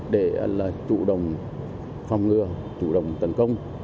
để là chủ động phòng ngừa chủ động tấn công